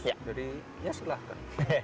jadi ya silahkan